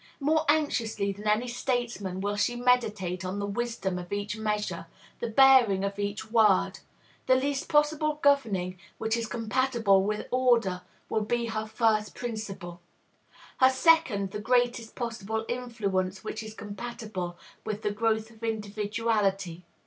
More anxiously than any statesman will she meditate on the wisdom of each measure, the bearing of each word. The least possible governing which is compatible with order will be her first principle; her second, the greatest possible influence which is compatible with the growth of individuality.